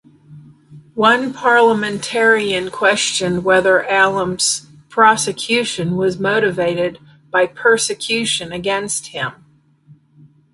One parliamentarian questioned whether Allum’s prosecution was motivated by "persecution" against him.